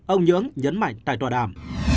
ông nhưỡng nhấn mạnh tại tòa đàm